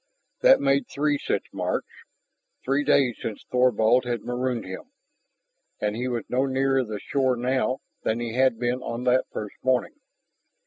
That made three such marks, three days since Thorvald had marooned him. And he was no nearer the shore now than he had been on that first morning!